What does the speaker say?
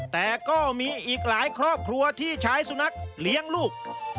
แต่ก็มีอีกหลายครอบครัวที่ใช้สุนัขเลี้ยงลูก